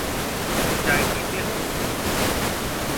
तुम चाय पीते हो।